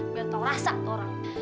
biar tau rasa tuh orang